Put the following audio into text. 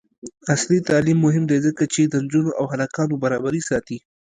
عصري تعلیم مهم دی ځکه چې د نجونو او هلکانو برابري ساتي.